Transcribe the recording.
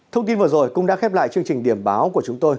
thông tin vừa rồi cũng đã khép lại chương trình điểm báo của chúng tôi